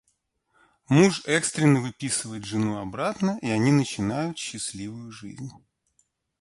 Муж экстренно выписывает жену обратно и они начинают счастливую жизнь.